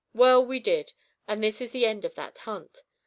Well, we did, and this is the end of that hunt.